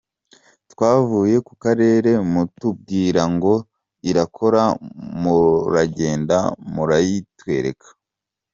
Twavuye ku karere mutubwira ngo irakora muragenda murayitwereka.